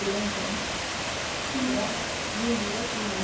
Lincoln. P. S. Will you write me again?